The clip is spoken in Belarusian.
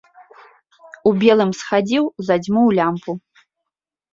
У белым схадзіў задзьмуў лямпу.